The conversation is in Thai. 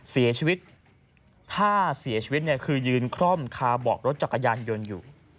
เสียชีวิตถ้าเสียชีวิตเนี่ยคือยืนคร่อมคาเบาะรถจักรยานยนต์อยู่